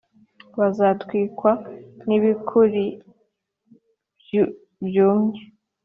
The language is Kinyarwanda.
bazatwikwa nk’ibikūri byumye